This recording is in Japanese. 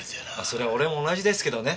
それは俺も同じですけどね。